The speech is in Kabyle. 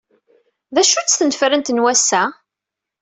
D acu-tt tnefrent n wass-a?